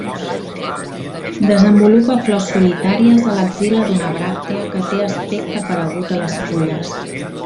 Desenvolupa flors solitàries a l'axil·la d'una bràctea que té aspecte paregut a les fulles.